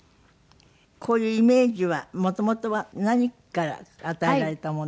こういうイメージは元々は何から与えられたものなんですか？